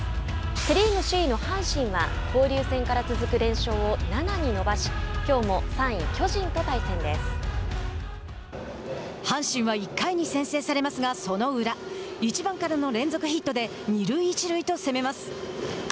セ・リーグ首位の阪神は交流戦から続く連勝を７に伸ばし阪神は１回に先制されますがその裏、１番からの連続ヒットで二塁一塁と攻めます。